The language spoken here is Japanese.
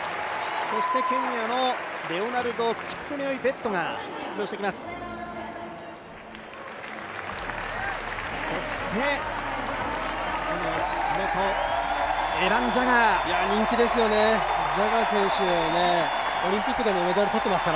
そしてケニアのレオナルド・キプケモイ・ベットが登場してきます。